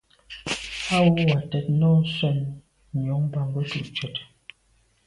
Á wʉ́ Wàtɛ̀ɛ́t nɔ́ɔ̀ nswɛ́ɛ̀n nyɔ̌ŋ bā ngə́tú’ cwɛ̀t.